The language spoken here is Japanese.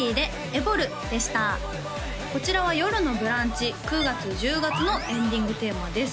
こちらは「よるのブランチ」９月１０月のエンディングテーマです